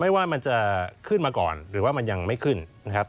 ว่ามันจะขึ้นมาก่อนหรือว่ามันยังไม่ขึ้นนะครับ